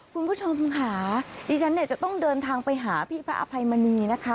คุณผู้ชมค่ะดิฉันเนี่ยจะต้องเดินทางไปหาพี่พระอภัยมณีนะคะ